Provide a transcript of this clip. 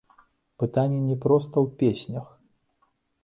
Пытанне не проста ў песнях.